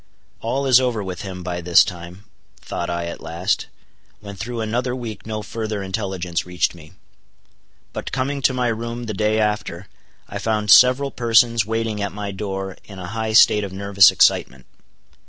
All is over with him, by this time, thought I at last, when through another week no further intelligence reached me. But coming to my room the day after, I found several persons waiting at my door in a high state of nervous excitement.